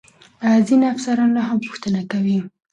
ځینې افسران لا هم پوښتنه کوي.